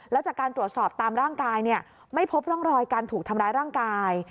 แล้วจากการตรวจสอบตามร่างกายไม่พบร่องรอยการถูกทำร้ายร่างกาย